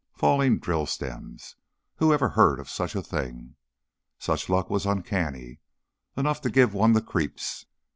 Falling drill stems! Who ever heard of such a thing? Such luck was uncanny enough to give one the creeps.